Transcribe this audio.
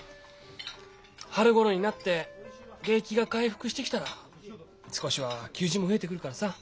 春ごろになって景気が回復してきたら少しは求人も増えてくるからさ。